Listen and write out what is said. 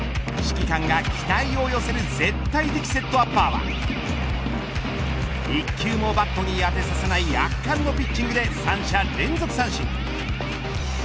指揮官が期待を寄せる絶対的セットアッパーは一球もバットに当てさせない圧巻のピッチングで三者連続三振。